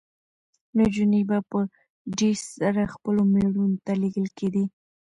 نجونې به په جېز سره خپلو مېړونو ته لېږل کېدې.